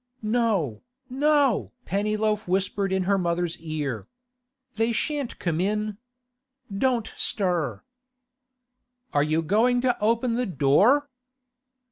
'No—no!' Pennyloaf whispered in her mother's ear. 'They shan't come in! Don't stir.' 'Are you going to open the door?